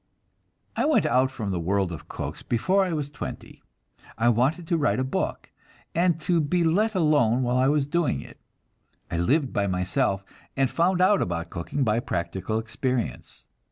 I went out from the world of cooks before I was twenty. I wanted to write a book, and to be let alone while I was doing it. I lived by myself, and found out about cooking by practical experience.